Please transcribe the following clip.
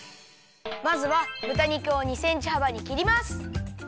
まずはぶた肉を２センチはばにきります。